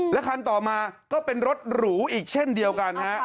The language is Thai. และคันต่อมาก็เป็นรถหรูอีกเช่นเดียวกันฮะ